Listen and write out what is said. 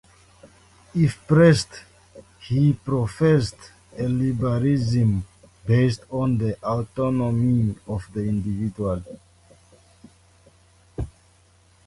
If pressed, he professed a liberalism based on the autonomy of the individual.